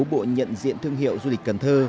bộ nhận diện thương hiệu du lịch cần thơ